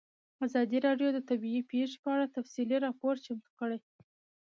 ازادي راډیو د طبیعي پېښې په اړه تفصیلي راپور چمتو کړی.